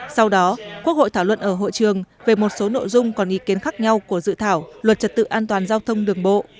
sau đó quốc hội thảo luận ở hội trường về một số nội dung còn ý kiến khác nhau của dự thảo luật trật tự an toàn giao thông đường bộ